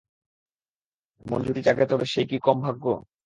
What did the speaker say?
মন যদি জাগে তবে সেই কি কম ভাগ্য!